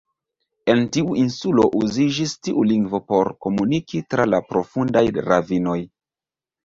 En tiu insulo uziĝis tiu lingvo por komuniki tra la profundaj ravinoj.